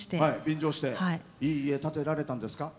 便乗していい家建てられたんですか？